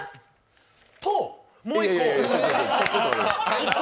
と、もう１個。